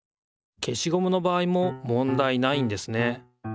消しゴムのばあいももんだいないんですね。